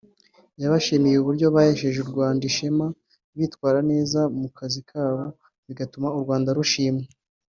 yabashimiye uburyo bahesheje u Rwanda ishema bitwara neza mu kazi kabo bigatuma n’u Rwanda rushimwa